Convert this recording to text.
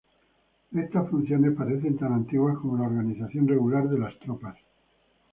Estas funciones parecen tan antiguas como la organización regular de las tropas.